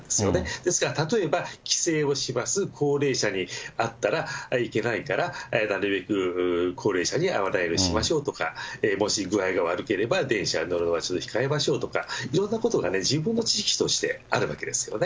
ですから例えば、帰省をします、高齢者に会ったらいけないから、なるべく高齢者に会わないようにしましょうとか、もし具合が悪ければ、電車に乗るのは控えましょうとか、いろんなことが自分の知識としてあるわけですよね。